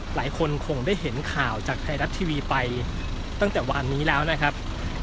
หลายคนคงได้เห็นข่าวจากไทยรัฐทีวีไปตั้งแต่วานนี้แล้วนะครับ